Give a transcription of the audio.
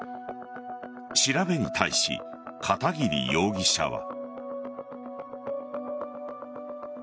調べに対し、片桐容疑者は。